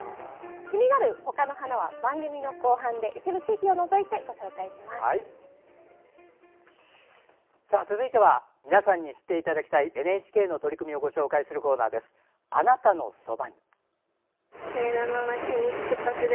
気になる、ほかの花は番組の後半で続いては皆さんに知っていただきいＮＨＫの取り組みをご紹介するコーナー、「あなたのそばに」。